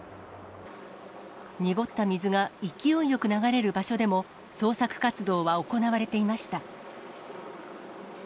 濁った水が勢いよく流れる場所でも、捜索活動は行われていました。